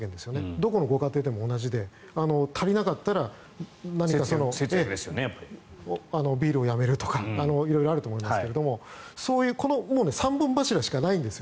どこのご家庭でも同じで足りなかったらビールをやめるとか色々あると思うんですがそういう３本柱しかないんです。